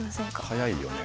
速いよね。